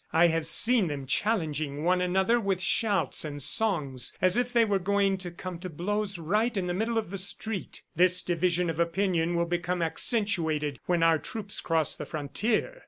I have seen them challenging one another with shouts and songs as if they were going to come to blows right in the middle of the street. This division of opinion will become accentuated when our troops cross the frontier.